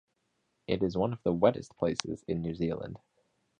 It is one of the wettest places in New Zealand.